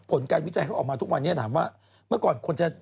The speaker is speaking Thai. ผลการวิจัยเขาออกมาทุกวันนี้ถามว่าเมื่อก่อนคนจะ